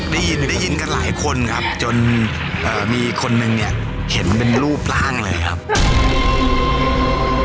ได้ยินได้ยินกันหลายคนครับจนเอ่อมีคนนึงเนี่ยเห็นเป็นรูปร่างเลยครับ